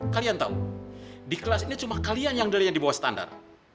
kalian tahu di kelas ini cuma kalian yang dari yang di bawah standar